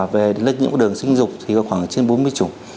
về lệnh những đường sinh dục thì có khoảng trên bốn mươi chủng